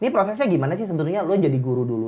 ini prosesnya gimana sih sebenarnya lo jadi guru dulu